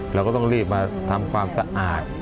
เราก็ต้องรีบมาทำความสะอาด